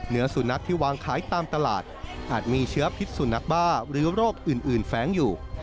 เนื้อสุนัขที่วางขายตามตลาดอาจมีเชื้อพิษสุนัขบ้าหรือโรคอื่นแฟ้งอยู่